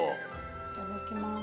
いただきます。